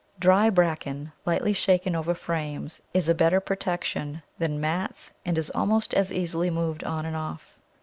Dry Bracken lightly shaken over frames is a better protection than mats, and is almost as easily moved on and off.